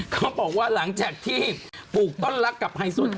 เขาบอกว่าหลังจากที่ปลูกต้นรักกับไฮซุด